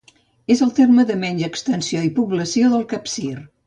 És el terme de menys extensió i població del Capcir.